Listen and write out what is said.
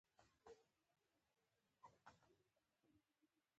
ډيپلومات د نړېوالو غونډو برخه وي.